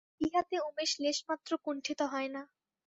ইহাতে উমেশ লেশমাত্র কুণ্ঠিত হয় না।